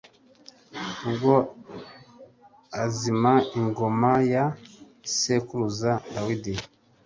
ubwo azima ingoma ya sekuruza Dawidi,